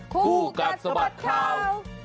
ครูกับสระบัดข่าว